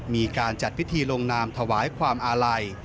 มีการจัดพิธีลงนามถวายความอาลัย